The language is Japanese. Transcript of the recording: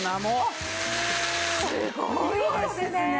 すごいですね。